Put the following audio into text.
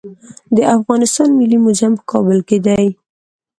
د افغانستان ملي موزیم په کابل کې دی